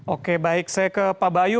oke baik saya ke pak bayu